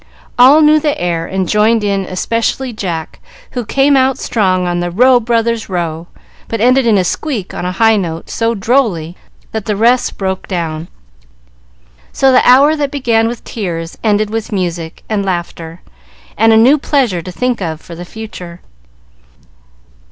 All knew the air, and joined in, especially Jack, who came out strong on the "Row, brothers, row," but ended in a squeak on a high note, so drolly, that the rest broke down. So the hour that began with tears ended with music and laughter, and a new pleasure to think of for the future.